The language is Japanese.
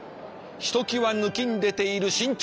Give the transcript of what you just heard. ひときわぬきんでている身長。